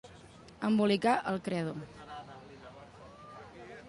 Embolicar el credo.